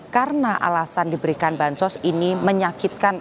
karena alasan diberikan bansos ini menyakitkan